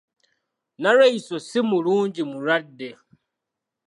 Nalweyiso si mulungi mulwadde.